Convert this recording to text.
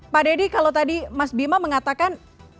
pak deddy kalau tadi mas bima mengatakan